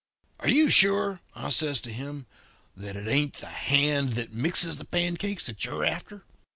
"'Are you sure,' I says to him, 'that it ain't the hand that mixes the pancakes that you're after?'